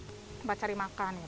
tempat cari makan ya